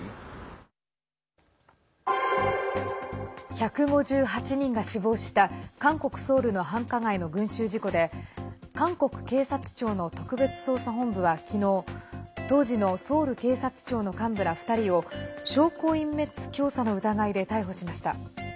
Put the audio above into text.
１５８人が死亡した韓国ソウルの繁華街の群衆事故で韓国警察庁の特別捜査本部は昨日当時のソウル警察庁の幹部ら２人を証拠隠滅教唆の疑いで逮捕しました。